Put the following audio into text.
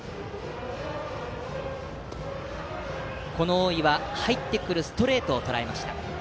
大井は入ってくるストレートをとらえました。